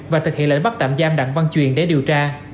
và thực hiện lệnh bắt tạm giam đặng văn truyền để điều tra